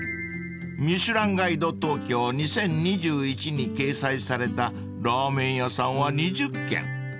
［『ミシュランガイド東京２０２１』に掲載されたラーメン屋さんは２０軒］